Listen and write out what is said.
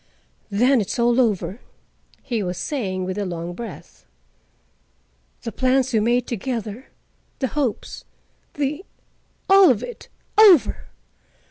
"Then it's all over," he was saying with a long breath. "The plans we made together, the hopes, the—all of it—over!